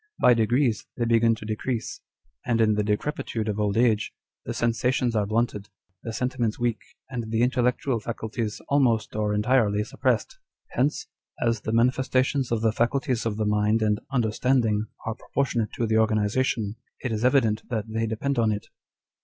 By degrees they begin to decrease ; and in the decrepitude of old age, the sensations are blunted, the sentiments weak, and the intellectual faculties almost or entirely suppressed. Hence, as the manifestations of the faculties of the mind and understanding are proportionate to the organization, it is evident that they depend on it."